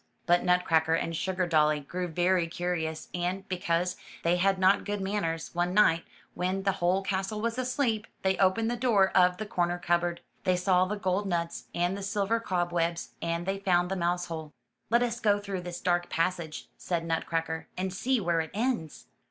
But Nut cracker and Sugardolly grew very curious, and, because they had not good manners, one night, when the whole castle was asleep, they opened the door of the corner cupboard. They saw the gold nuts and the silver cobwebs, and they found the mouse hole. '*Let us go through this dark passage,*' said Nut cracker, and see where it ends.'